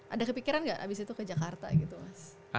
ada kepikiran nggak abis itu ke jakarta gitu mas